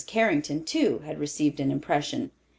Carrington, too, had received an impression.